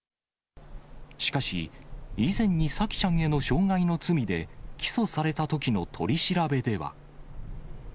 しかし、以前に沙季ちゃんへの傷害の罪で起訴されたときの取り調べでは。